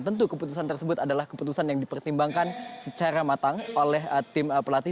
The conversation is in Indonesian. tentu keputusan tersebut adalah keputusan yang dipertimbangkan secara matang oleh tim pelatih